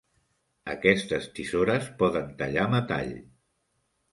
Aquestes tisores poden tallar metall.